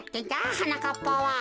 はなかっぱは。